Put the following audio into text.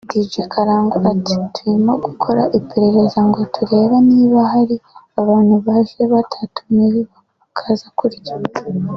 Dr Karangwa ati “Turimo gukora iperereza ngo turebe niba hari abantu baje batatumiwe bakaza kurya